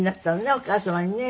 お母様にね。